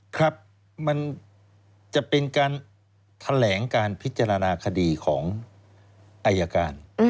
ครับมันจะเป็นการแถลงการพิจารณาคดีของอายการ